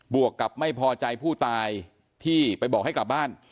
วกกับไม่พอใจผู้ตายที่ไปบอกให้กลับบ้าน